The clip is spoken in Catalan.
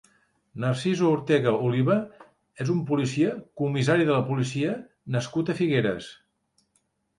Narciso Ortega Oliva és un policia, comissari de la Policia nascut a Figueres.